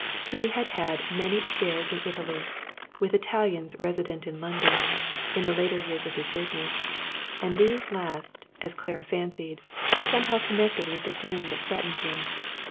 He had had many aflFairs in Italy, and with Italians resident in London, in the latter years of his business; and these last, as Clara fancied, were somehow connected with the doom that threatened him.